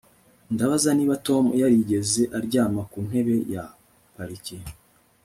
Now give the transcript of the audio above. Ndabaza niba Tom yarigeze aryama ku ntebe ya parike